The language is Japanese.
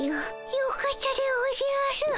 よかったでおじゃる。